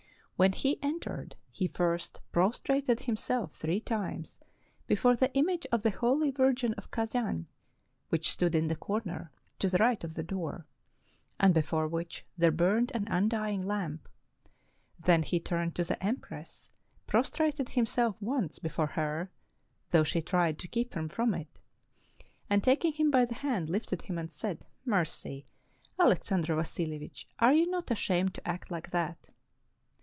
When he entered, he first prostrated himself three times before the image of the Holy Virgin of Kazan, which stood in the corner, to the right of the door, and before which there burned an undying lamp; then he turned to the empress, prostrated himself once before her, though she tried to keep him from it, and, taking him by the hand, lifted him and said: "Mercy! Alex ander Vasilevich, are you not ashamed to act like that?